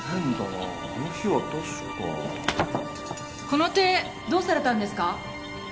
この手どうされたんですか？